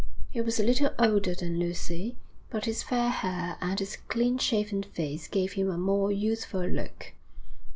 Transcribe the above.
He was little older than Lucy, but his fair hair and his clean shaven face gave him a more youthful look.